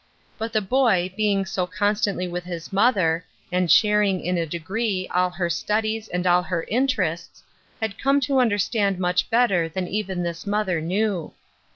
But the boy, being so constantly with his mother, and sharing, in a degree, all her studies and all her interests, had come to understand much better than even his mother knew.